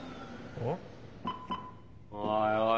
おい